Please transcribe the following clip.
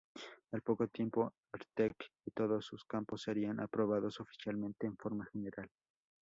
Al poco tiempo, Artek y todos sus campos serían aprobados oficialmente en forma general.